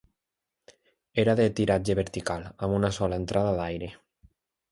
Era de tiratge vertical, amb una sola entrada d'aire.